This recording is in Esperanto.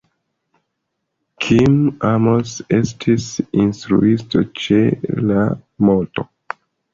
Kim Amos estis instruistino ĉe la "Mt.